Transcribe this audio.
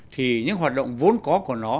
thì những hoạt động vốn có của nó